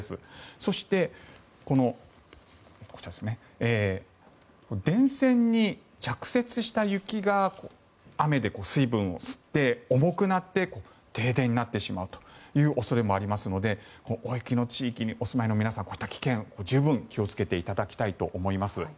そして、電線に着雪した雪が雨で水分を吸って重くなって停電になってしまうという恐れもありますので大雪の地域にお住まいの皆さんこういった危険に十分気をつけていただきたいと思います。